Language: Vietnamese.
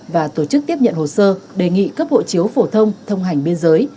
và tổ chức tiếp nhận hồ sơ đề nghị cấp hộ chiếu phổ thông thông hành biên giới